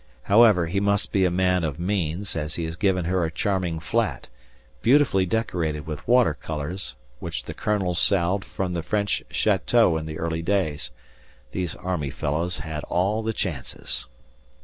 However, he must be a man of means, as he has given her a charming flat, beautifully decorated with water colours which the Colonel salved from the French château in the early days these army fellows had all the chances.